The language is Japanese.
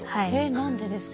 何でですか？